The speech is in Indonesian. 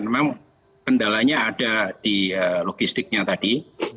memang kendalanya ada di logistiknya tadi